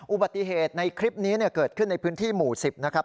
อุบัติเหตุในคลิปนี้เกิดขึ้นในพื้นที่หมู่๑๐นะครับ